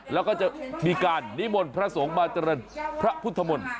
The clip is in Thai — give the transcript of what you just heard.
แล้วก็จะมีการนิมนต์พระสงฆ์มาเจริญพระพุทธมนตร์